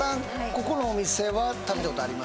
ここのお店は食べたことありますか？